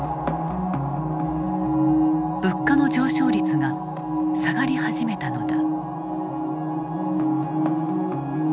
物価の上昇率が下がり始めたのだ。